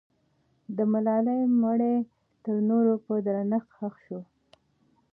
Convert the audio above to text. د ملالۍ مړی تر نورو په درنښت ښخ سو.